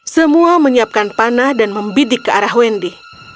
semua menyiapkan panah dan membidik ke arah wendy